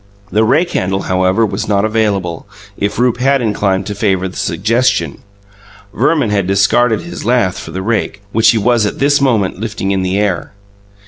The rake handle, however, was not available, if Rupe had inclined to favour the suggestion. Verman had discarded his lath for the rake, which he was at this moment lifting in the air.